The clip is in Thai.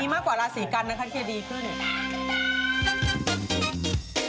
ดีมากกว่าราศีกรรมนะครับ